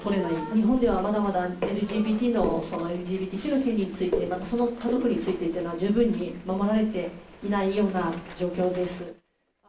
日本ではまだまだＬＧＢＴＱの権利について、その家族についてというのは、十分に守られていないような状況です。